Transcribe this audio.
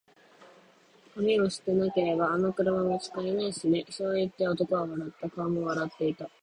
「紙を捨てなけれれば、あの車も使えないしね」そう言って、男は笑った。顔も笑っていた。